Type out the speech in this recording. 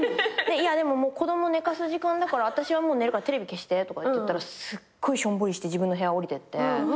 いやでも子供寝かす時間だから私はもう寝るからテレビ消してとか言ったらすっごいしょんぼりして自分の部屋下りてって。